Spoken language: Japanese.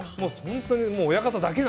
親方だけお。